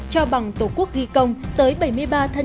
cho bằng tổ quốc ghi công tới bảy mươi ba thân